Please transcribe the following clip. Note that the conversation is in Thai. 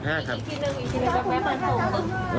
๑๗๑ครับ